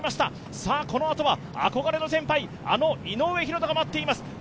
このあとはあこがれの先輩、あの井上大仁が待っています。